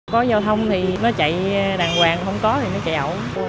có giao thông thì nó chạy đàng hoàng không có thì nó chạy ậu